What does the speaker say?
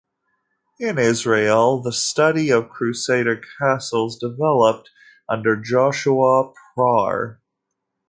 In Israel, the study of Crusader castles developed under Joshua Prawer.